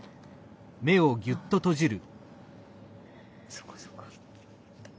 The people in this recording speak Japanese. そうかそうか。